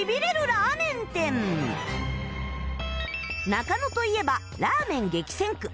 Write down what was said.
中野といえばラーメン激戦区